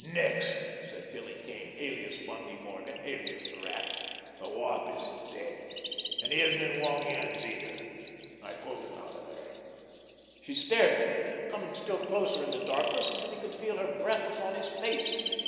"Nix!" said Billy Kane, alias Bundy Morgan, alias the Rat. "The Wop isn't dead, and he isn't in Wong Yen's either. I pulled him out of there." She stared at him, coming still closer in the darkness until he could feel her breath upon his face.